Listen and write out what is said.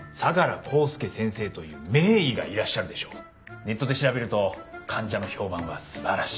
ネットで調べると患者の評判は素晴らしい。